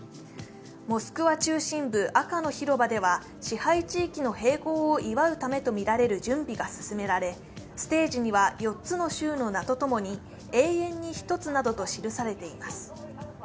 モスクワ中心部赤の広場では支配地域の併合を祝うためとみられる準備が進められステージには４つの州の名と共に「永遠に一つ」などと記されています。